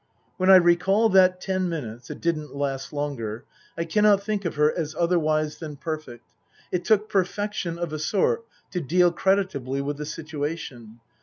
When I recall that ten minutes it didn't last longer I cannot think of her as otherwise than perfect. It took perfection, of a sort, to deal creditably with the situation.